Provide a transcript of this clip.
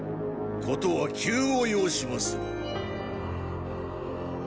ことは急を要しまする。